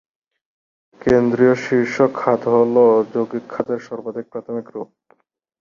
কেন্দ্রীয়-শীর্ষ খাদ হল যৌগিক খাদের সর্বাধিক প্রাথমিক রূপ।